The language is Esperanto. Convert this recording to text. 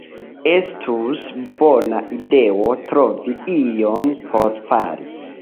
Estus bona ideo trovi ion por fari.